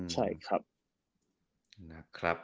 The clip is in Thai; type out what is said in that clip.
ใช่ครับ